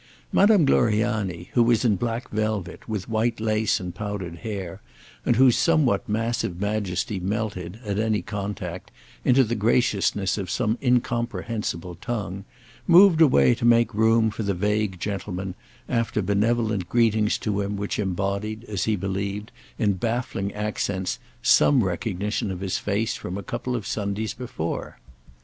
Madame Gloriani, who was in black velvet, with white lace and powdered hair, and whose somewhat massive majesty melted, at any contact, into the graciousness of some incomprehensible tongue, moved away to make room for the vague gentleman, after benevolent greetings to him which embodied, as he believed, in baffling accents, some recognition of his face from a couple of Sundays before.